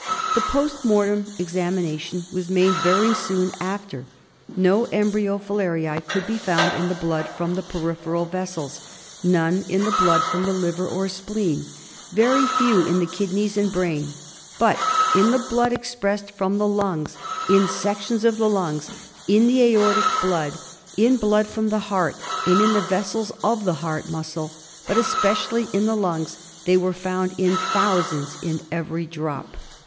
The post mortem ex amination was made very soon after. No embryo filariae could be found in the blood from the peripheral vessels, none in the blood from the liver or spleen, very few in the kidneys and brain ; but in the blood expressed from the lungs, in sections of the lungs, in the aortic blood, in 72 FILARIASIS. blood from the heart and in the vessels of the heart muscle, but especially in the lungs, they were found in thousands in every drop.